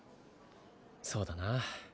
そうだな